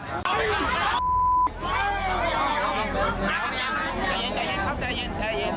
ใจเย็นครับใจเย็น